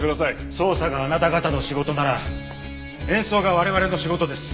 捜査があなた方の仕事なら演奏が我々の仕事です。